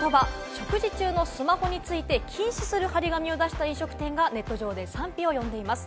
食事中のスマホについて禁止する張り紙を出した飲食店がネット上で賛否を呼んでいます。